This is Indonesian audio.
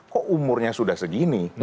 kok umurnya sudah segini